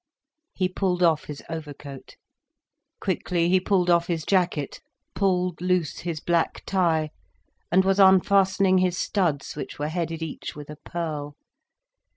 He pulled off his overcoat. Quickly he pulled off his jacket, pulled loose his black tie, and was unfastening his studs, which were headed each with a pearl.